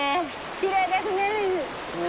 きれいですね川。